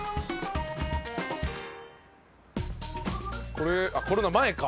これあっコロナ前か。